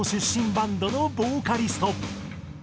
バンドのボーカリスト。